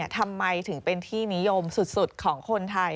ทำไมถึงเป็นที่นิยมสุดของคนไทย